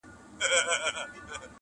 • ذکر عبادت او استغفار کوه په نیمه شپه,